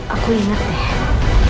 aku ingat deh